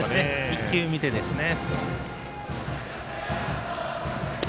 １球見てですね。